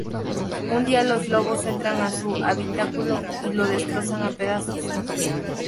Un día los lobos entran en su habitáculo y lo destrozan a pedazos.